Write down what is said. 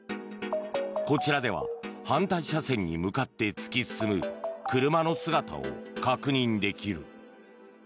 こちらでは反対車線に向かって突き進む車の姿を確認できる。